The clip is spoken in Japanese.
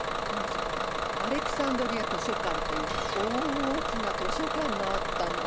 それがアレキサンドリア図書館っていう大きな図書館があったの。